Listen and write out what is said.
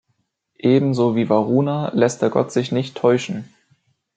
Ebenso wie Varuna lässt der Gott sich nicht täuschen.